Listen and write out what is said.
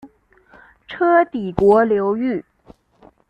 车底国流域。